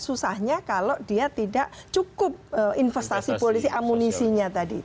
susahnya kalau dia tidak cukup investasi polisi amunisinya tadi